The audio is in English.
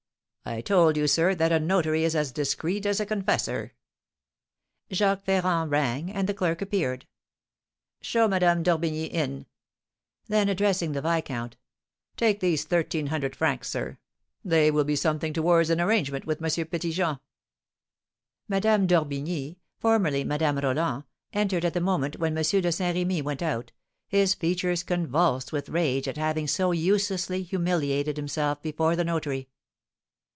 "I told you, sir, that a notary is as discreet as a confessor." Jacques Ferrand rang, and the clerk appeared. "Show Madame d'Orbigny in." Then, addressing the viscount, "Take these thirteen hundred francs, sir; they will be something towards an arrangement with M. Petit Jean." Madame d'Orbigny (formerly Madame Roland) entered at the moment when M. de Saint Remy went out, his features convulsed with rage at having so uselessly humiliated himself before the notary.